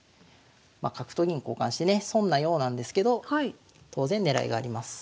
まあ角と銀交換してね損なようなんですけど当然狙いがあります。